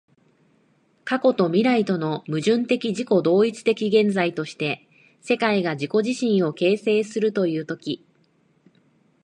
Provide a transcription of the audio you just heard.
過去と未来との矛盾的自己同一的現在として、世界が自己自身を形成するという時